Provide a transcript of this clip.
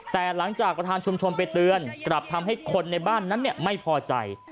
แต่หลังจากประธานชุมชนไปเตือนกลับทำให้คนในบ้านนั้นไม่พอใจ